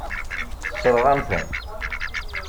Tessṛeɣ-am-ten.